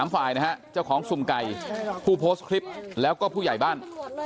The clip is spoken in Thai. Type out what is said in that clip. ฝ่ายนะฮะเจ้าของสุ่มไก่ผู้โพสต์คลิปแล้วก็ผู้ใหญ่บ้าน